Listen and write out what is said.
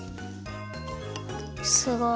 すごい。